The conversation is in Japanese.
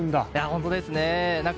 本当ですよね。